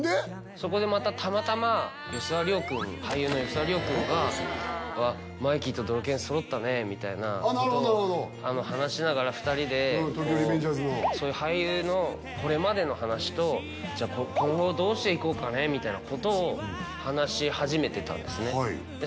そこでまたたまたま俳優の吉沢亮くんが「マイキーとドラケン揃ったね」みたいななるほど話しながら２人で「東京リベンジャーズ」のそういう俳優のこれまでの話とみたいなことを話し始めてたんですねで